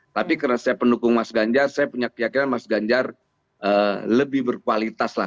tapi karena saya pendukung mas ganjar saya punya keyakinan mas ganjar lebih berkualitas lah